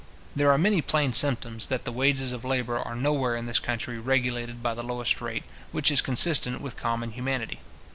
There are many plain symptoms, that the wages of labour are nowhere in this country regulated by this lowest rate, which is consistent with common humanity.